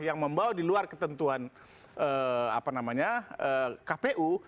yang membawa di luar ketentuan kpu